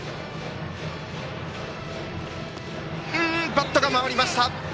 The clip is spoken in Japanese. バットが回りました。